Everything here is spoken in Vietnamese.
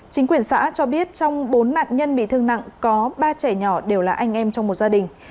chính quyền xã cho biết trong bốn nạn nhân bị thương nặng có ba trẻ nhỏ đều là anh em trong một gia đình